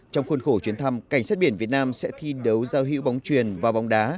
trong khuôn khổ chuyến thăm cảnh sát biển việt nam sẽ thi đấu giao hữu bóng truyền và bóng đá